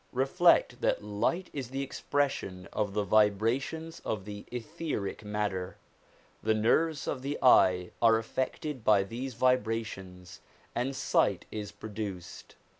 Reflect that light is the expression of the vibrations 172 SOME ANSWERED QUESTIONS of the etheric matter: the nerves of the eye are affected by these vibrations, and sight is produced.